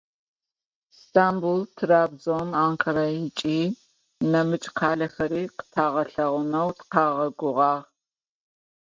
Stambul, Trabzon, Ankara ıç'i nemıç' khalexeri khıtağelheğuneu tıkhağeguğağ.